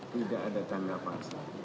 tidak ada tanggapan